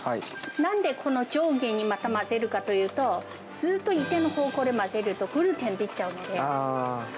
なんでこの上下にまた混ぜるかというと、ずっと一定の方向で混ぜるとグルテン出ちゃうので。